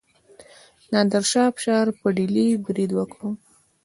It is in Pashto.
نادر شاه افشار په ډیلي برید وکړ.